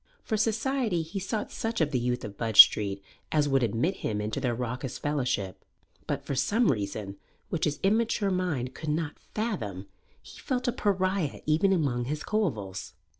For society he sought such of the youth of Budge Street as would admit him into their raucous fellowship. But, for some reason which his immature mind could not fathom, he felt a pariah even among his coevals.